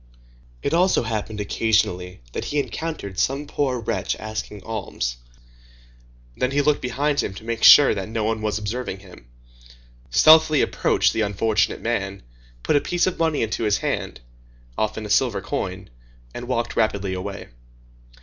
It also happened occasionally that he encountered some poor wretch asking alms; then he looked behind him to make sure that no one was observing him, stealthily approached the unfortunate man, put a piece of money into his hand, often a silver coin, and walked rapidly away.